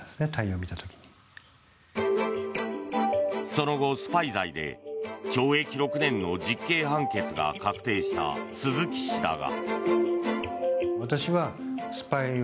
その後、スパイ罪で懲役６年の実刑判決が確定した鈴木氏だが。